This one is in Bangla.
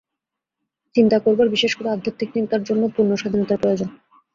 চিন্তা করবার, বিশেষ করে আধ্যাত্মিক চিন্তার জন্য পূর্ণ স্বাধীনতার প্রয়োজন।